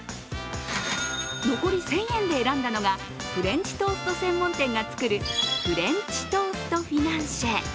残り１０００円で選んだのがフレンチトースト専門店が作るフレンチトーストフィナンシェ。